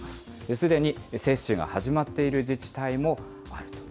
すでに接種が始まっている自治体